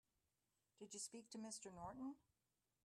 Did you speak to Mr. Norton?